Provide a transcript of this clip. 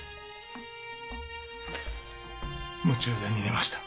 夢中で逃げました。